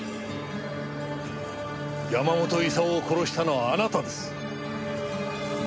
山本功を殺したのはあなたです。